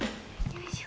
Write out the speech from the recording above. よいしょ。